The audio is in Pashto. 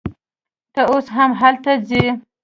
ته اوس هم هلته ځې